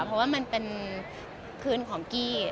เพราะว่ามันเป็นคืนของกี้